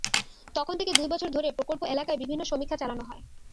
তখন থেকে দুই বছর ধরে প্রকল্প এলাকায় বিভিন্ন সমীক্ষা চালানো হয়।